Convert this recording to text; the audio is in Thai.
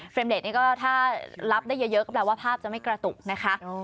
เลสนี่ก็ถ้ารับได้เยอะก็แปลว่าภาพจะไม่กระตุกนะคะ